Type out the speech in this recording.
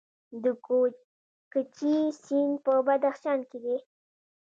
د کوکچې سیند په بدخشان کې دی